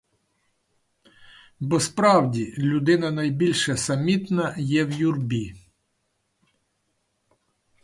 Бо справді людина найбільше самітна є в юрбі.